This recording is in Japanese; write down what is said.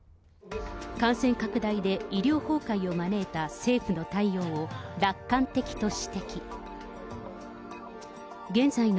感染拡大で医療崩壊を招いた政府の対応を、楽観的と指摘。